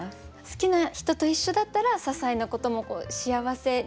好きな人と一緒だったらささいなことも幸せに感じる。